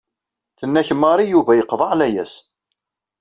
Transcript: Tenna-k Mari, Yuba iqḍeɛ layas.